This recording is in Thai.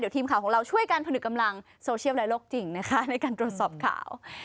ทีมข่าวของเราช่วยกันผนึกกำลังโซเชียลและโลกจริงนะคะในการตรวจสอบข่าว